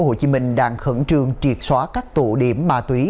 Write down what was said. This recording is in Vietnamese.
công an quận bình tân tp hcm đang khẩn trương triệt xóa các tụ điểm ma túy